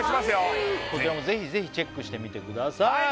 スゴイこちらもぜひぜひチェックしてみてください